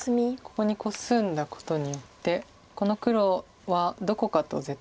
ここにコスんだことによってこの黒はどこかと絶対ツナがります。